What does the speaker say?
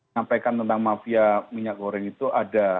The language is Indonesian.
nyampaikan tentang mafia minyak goreng itu ada